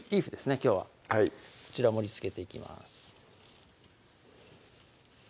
きょうははいこちら盛りつけていきます